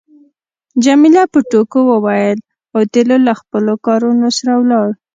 جميله په ټوکو وویل اوتیلو له خپلو کارونو سره ولاړ.